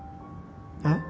えっ？